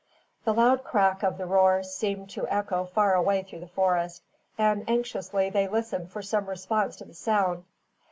The loud crack of the roer seemed to echo far away through the forest, and anxiously they listened for some response to the sound.